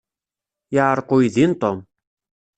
Yeɛreq uydi n Tom.